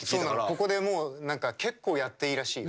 ここでもう結構やっていいらしい。